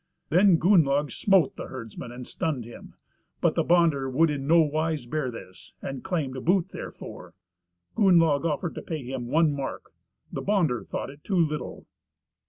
Then Gunnlaug smote the herdsman, and stunned him; but the bonder would in nowise bear this, and claimed boot therefor. Gunnlaug offered to pay him one mark. The bonder thought it too little.